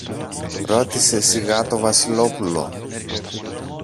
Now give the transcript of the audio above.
ρώτησε σιγά το Βασιλόπουλο